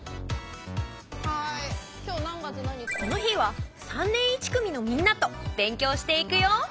この日は３年１組のみんなと勉強していくよ！